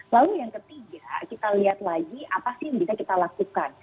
lalu yang ketiga kita lihat lagi apa sih yang bisa kita lakukan